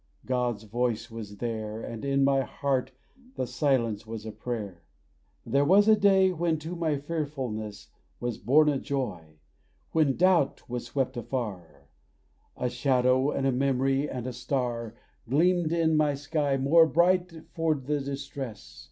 God's voice was there And in my heart the silence was a prayer. There was a day when to my fearfulness Was born a joy, when doubt was swept afar A shadow and a memory, and a star Gleamed in my sky more bright for the distress.